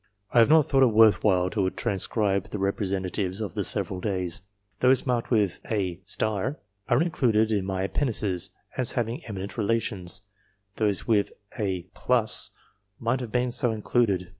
I have not thought it worth while to transcribe the representatives of the several days. Those marked with a * are included in my appendices, as having eminent relations ; those with a j might have been so included.